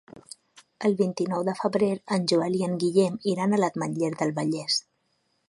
El vint-i-nou de febrer en Joel i en Guillem iran a l'Ametlla del Vallès.